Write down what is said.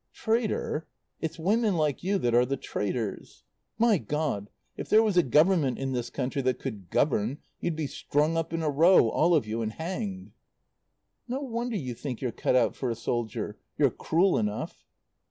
"Traitor? It's women like you that are the traitors. My God, if there was a Government in this country that could govern, you'd be strung up in a row, all of you, and hanged." "No wonder you think you're cut out for a soldier. You're cruel enough."